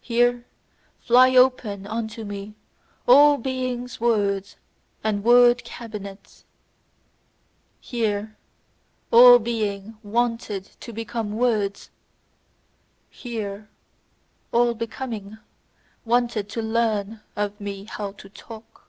Here fly open unto me all being's words and word cabinets: here all being wanteth to become words, here all becoming wanteth to learn of me how to talk.